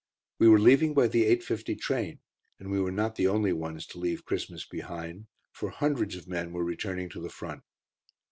We were leaving by the 8.50 train, and we were not the only ones to leave Christmas behind, for hundreds of men were returning to the Front.